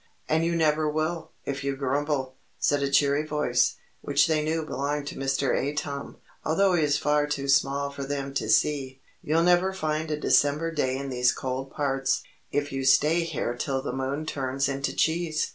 "And you never will, if you grumble," said a cheery voice, which they knew belonged to Mr. Atom, although he was far too small for them to see. "You'll never find a December day in these cold parts, if you stay here till the moon turns into cheese."